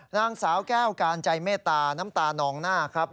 นางสาวแก้วการใจเมตตาน้ำตานองหน้าครับ